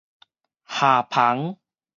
縖帆